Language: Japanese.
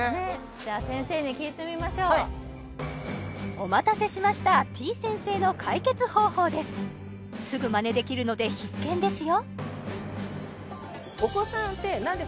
じゃあ先生に聞いてみましょうはいお待たせしましたてぃ先生の解決方法ですすぐまねできるので必見ですよ